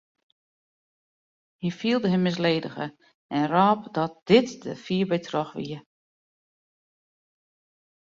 Hy fielde him misledige en rôp dat dit der fier by troch wie.